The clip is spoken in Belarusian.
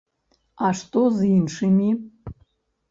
А што з іншымі?